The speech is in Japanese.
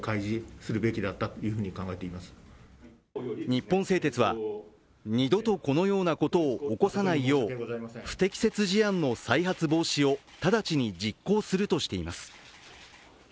日本製鉄は、二度とこのようなことを起こさないよう不適切事案の再発防止を直ちに実行するとしています。